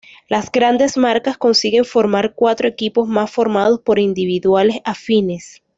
Las grandes marcas consiguen formar cuatro equipos más formados por individuales afines.